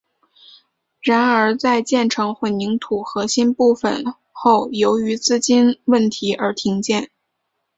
然而在建成混凝土核心部分后由于资金问题而停建。